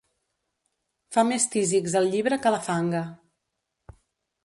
Fa més tísics el llibre que la fanga.